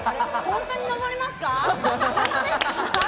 本当にのぼりますか？